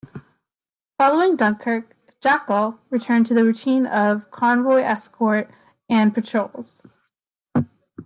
Following Dunkirk, "Jackal" returned to the routine of convoy escort and patrols.